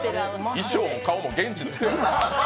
衣装も顔も現地の人や。